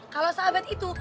kalau sahabat itu